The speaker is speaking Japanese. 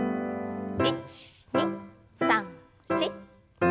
１２３４。